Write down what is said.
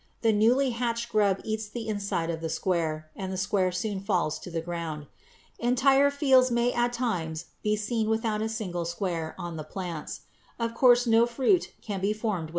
The newly hatched grub eats the inside of the square, and the square soon falls to the ground. Entire fields may at times be seen without a single square on the plants. Of course no fruit can be formed without squares.